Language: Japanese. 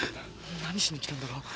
何しに来たんだろう？